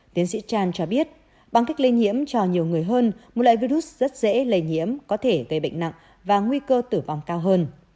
tiến sĩ chan cho biết bằng cách lây nhiễm cho nhiều người hơn một loại virus rất dễ lây nhiễm có thể gây bệnh nặng và nguy cơ tử vong cao hơn